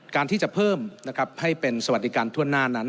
การที่จะเพิ่มนะครับให้เป็นสวัสดิการทั่วหน้านั้น